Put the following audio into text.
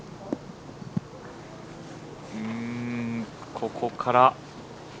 ここから。